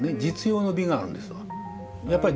実用の美があるんですわ。